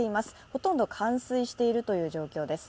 ほとんど冠水しているという状況です。